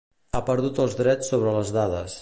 Ha perdut els drets sobre les dades.